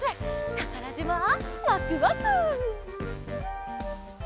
たからじまワクワク！